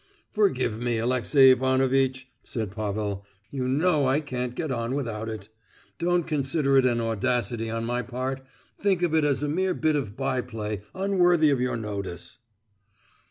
"Forgive me, Alexey Ivanovitch," said Pavel, "you know I can't get on without it. Don't consider it an audacity on my part—think of it as a mere bit of by play unworthy your notice."